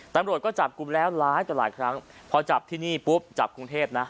ตำรวจก็จับกลุ่มแล้วหลายต่อหลายครั้งพอจับที่นี่ปุ๊บจับกรุงเทพนะ